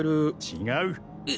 違う！